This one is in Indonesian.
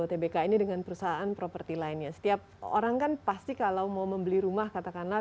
otbk ini dengan perusahaan properti lainnya setiap orang kan pasti kalau mau membeli rumah katakanlah